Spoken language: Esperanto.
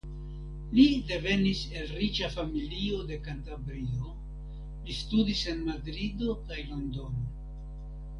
Li devenis el riĉa familio de Kantabrio; li studis en Madrido kaj Londono.